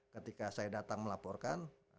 ketika saya datang melaporkan